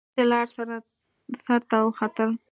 د لارۍ سر ته وختل.